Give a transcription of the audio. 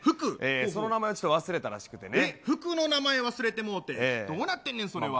その名前、ちょっと忘れたみ服の名前忘れてもうて、どうなってんねん、それは。